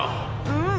うん！